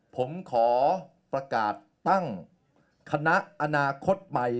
ผมขอประกาศตั้งคณะอนาคตใหม่